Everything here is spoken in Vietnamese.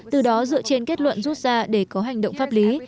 từ đó dựa trên kết luận rút ra để có hành động pháp lý